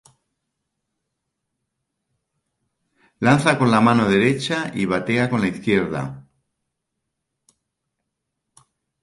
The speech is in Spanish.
Lanza con la mano derecha y batea con a la izquierda.